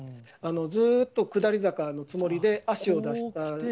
ずっと下り坂のつもりで足を出して。